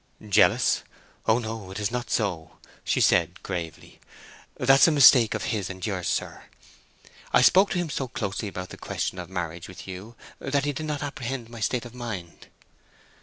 "Jealous; oh no, it is not so," said she, gravely. "That's a mistake of his and yours, sir. I spoke to him so closely about the question of marriage with you that he did not apprehend my state of mind."